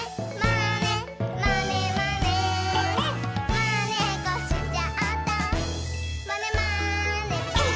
「まねっこしちゃったまねまねぽん！」